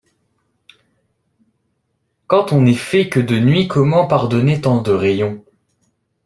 Quand on n’est fait que de nuit, comment pardonner tant de rayons ?